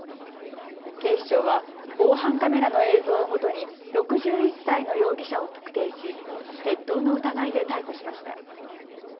警視庁は防犯カメラの映像をもとに６１歳の容疑者を特定し、窃盗の疑いで逮捕しました。